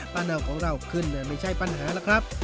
เนาของเราขึ้นเลยไม่ใช่ปัญหาล่ะครับ